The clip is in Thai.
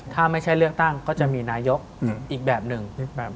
ถ้าไม่ใช่เลือกตั้งก็จะมีนายกอีกแบบหนึ่ง